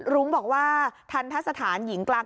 รุ้งบอกว่าทรรษฐานหญิงกลาง